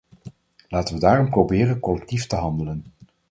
Laten we daarom proberen collectief te handelen.